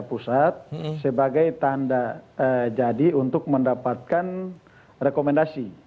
pusat sebagai tanda jadi untuk mendapatkan rekomendasi